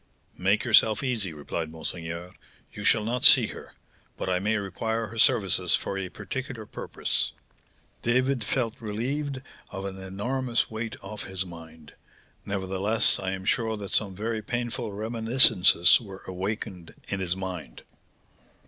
'Make yourself easy,' replied monseigneur; 'you shall not see her, but I may require her services for a particular purpose.' David felt relieved of an enormous weight off his mind. Nevertheless, I am sure that some very painful reminiscences were awakened in his mind."